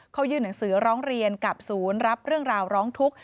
เขายื่นหนังสือร้องเรียนกับศูนย์รับเรื่องราวร้องทุกข์